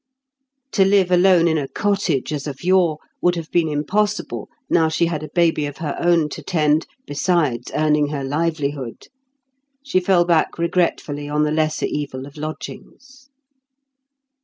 To live alone in a cottage as of yore would have been impossible now she had a baby of her own to tend, besides earning her livelihood; she fell back regretfully on the lesser evil of lodgings.